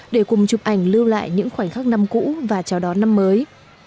để cùng chụp ảnh lưu lại những khoảnh khắc năm cũ và chào đón năm mới